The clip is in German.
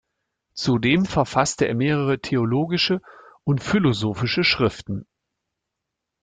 Zudem verfasste er mehrere theologische und philosophische Schriften.